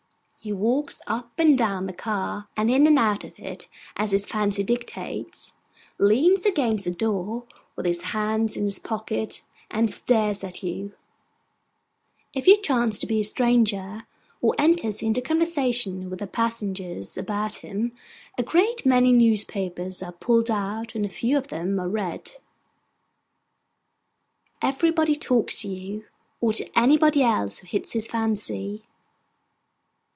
He walks up and down the car, and in and out of it, as his fancy dictates; leans against the door with his hands in his pockets and stares at you, if you chance to be a stranger; or enters into conversation with the passengers about him. A great many newspapers are pulled out, and a few of them are read. Everybody talks to you, or to anybody else who hits his fancy.